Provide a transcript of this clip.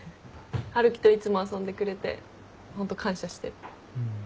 春樹といつも遊んでくれてホント感謝してる。